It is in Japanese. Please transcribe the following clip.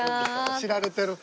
知られてる。